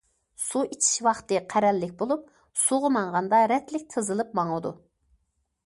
سۇ ئىچىش ۋاقتى قەرەللىك بولۇپ، سۇغا ماڭغاندا رەتلىك تىزىلىپ ماڭىدۇ.